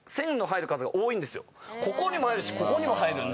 ここにも入るしここにも入るんで。